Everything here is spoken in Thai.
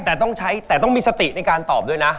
แต่ต้องใช้แต่ต้องมีสติในการตอบด้วยนะ